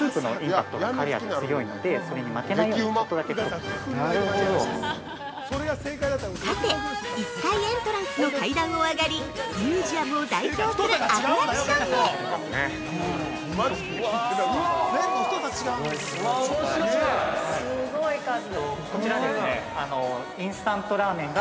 ◆さて、１階エントランスの階段を上がりミュージアムを代表するアトラクションへ。